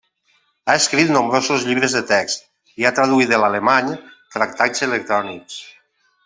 Ha escrit nombrosos llibres de text i ha traduït de l'alemany tractats electrònics.